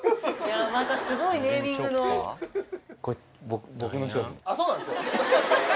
あっそうなんですよ。